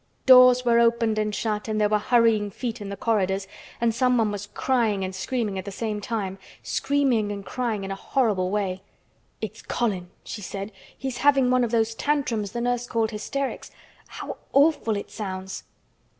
Doors were opened and shut and there were hurrying feet in the corridors and someone was crying and screaming at the same time, screaming and crying in a horrible way. "It's Colin," she said. "He's having one of those tantrums the nurse called hysterics. How awful it sounds."